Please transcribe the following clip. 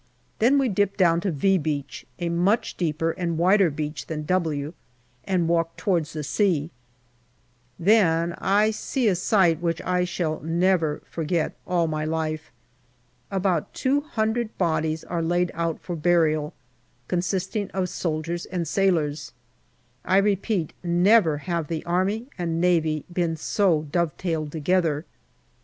Then we dip down to " V " Beach, a much deeper and wider beach than " W," and walk towards the sea. Then I see a sight which I shall never forget all my life. About two hundred bodies are laid out for burial, consisting of soldiers and sailors. I repeat, never have the Army and Navy been so dovetailed together.